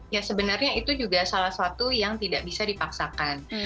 ya sebenarnya itu juga salah satu yang tidak bisa dipaksakan